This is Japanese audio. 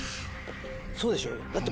そうでしょうよ